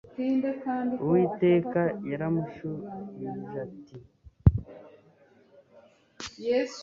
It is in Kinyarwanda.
Uwiteka yaramushubijati